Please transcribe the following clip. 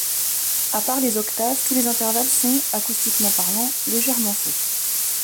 À part les octaves, tous les intervalles sont, acoustiquement parlant, légèrement faux.